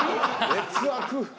劣悪。